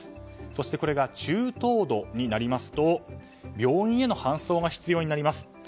そして、これが中等度になると病院への搬送が必要になります。